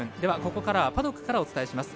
ここからはパドックからお伝えします。